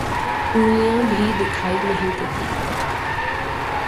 انگلیاں بھی دیکھائی نہیں دیتی